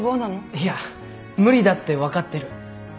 いや無理だって分かってる。